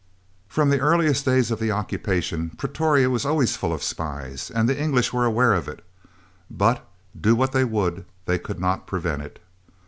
From the earliest days of the occupation Pretoria was always full of spies, and the English were aware of it, but, do what they would, they could not prevent it.